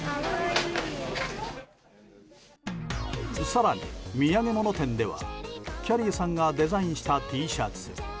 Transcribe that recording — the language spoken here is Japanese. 更に、土産物店ではきゃりーさんがデザインしたＴシャツ。